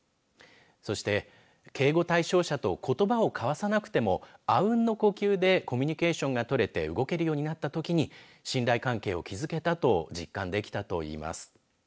そして、警護対象者とことばを交わさなくてもあうんの呼吸でコミュニケーションが取れて動けるようになったときに信頼関係を築けたと実感できたといいます。